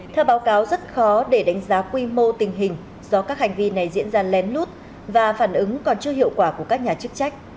theo báo cáo rất khó để đánh giá quy mô tình hình do các hành vi này diễn ra lén lút và phản ứng còn chưa hiệu quả của các nhà chức trách